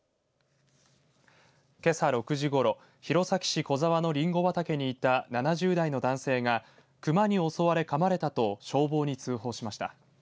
けさ６時ごろ、弘前市小沢のりんご畑にいた７０代の男性が熊に襲われ、かまれたと消防に通報がありました。